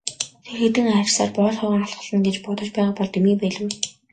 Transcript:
Тэр хэдэн арьсаар боольхойгоо халхална гэж бодож байгаа бол дэмий байлгүй.